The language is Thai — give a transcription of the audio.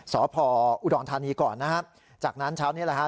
สพอุดรธานีก่อนนะครับจากนั้นเช้านี้แหละฮะ